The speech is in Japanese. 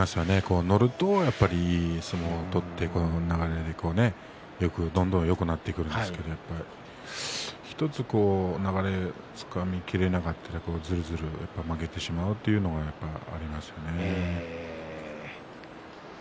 波に乗るといい相撲が取れるんですけどどんどんよくなっていくんですけど、１つ流れをつかみきれなくなってしまうとずるずる負けてしまうということがありますね。